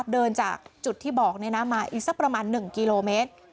เดินจากจุดที่บอกมาอีกสักประมาณ๑กิโลเมตร